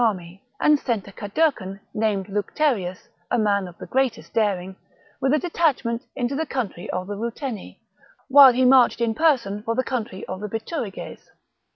diU army, aud sent a Cadurcan, named Lucterms, a man of the greatest daring, with a detachment into the country of the Ruteni ; while he marched in person for the country of the Bituriges.